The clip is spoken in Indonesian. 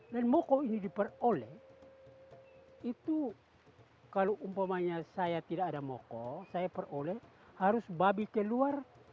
dan moko ini diperoleh itu kalau umpamanya saya tidak ada moko saya peroleh harus babi keluar